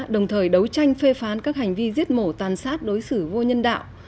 đồng thời đấu tranh phê phán các hành vi giết mổ tàn sát đối xử vô nhân đạo